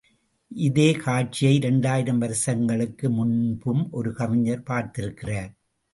இதே காட்சியை இரண்டாயிரம் வருஷங்களுக்கு முன்பும் ஒரு கவிஞர் பார்த்திருக்கிறார்.